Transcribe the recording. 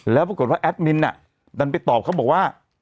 แล้วปรากฏว่าแอดมินดันไปตอบเขาบอกว่า